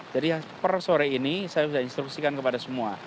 jadi persore ini saya sudah instruksikan kepada semua